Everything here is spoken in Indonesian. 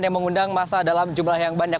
yang mengundang masa dalam jumlah yang banyak